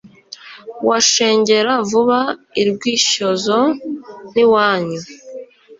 washengera vuba i rwishyozo n’iwanyu